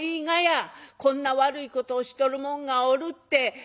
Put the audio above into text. こんな悪いことをしとる者がおるって」。